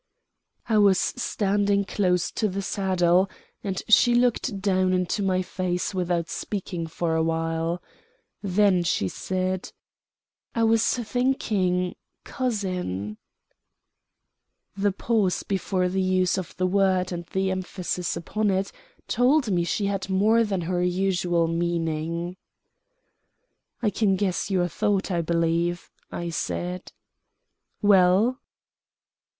I was standing close to the saddle, and she looked down into my face without speaking for a while. Then she said: "I was thinking cousin." [Illustration: "I WAS THINKING COUSIN."] The pause before the use of the word and the emphasis upon it told me she had more than her usual meaning. "I can guess your thought, I believe," I said. "Well?"